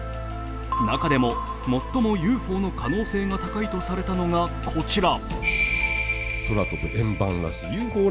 中でも、最もＵＦＯの可能性が高いとされたのが、こちら。